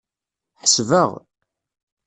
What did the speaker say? Ḥesbeɣ.